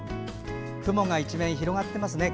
雲が一面広がっていますね。